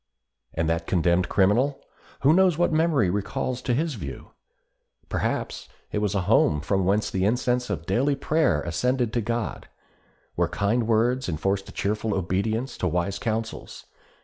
And that condemned criminal—who knows what memory recalls to his view? Perhaps it was a home from whence the incense of daily prayer ascended to God—where kind words enforced a cheerful obedience to wise counsels.